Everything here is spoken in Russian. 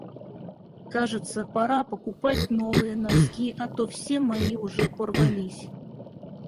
Кажется, пора покупать новые носки, а то все мои уже порвались.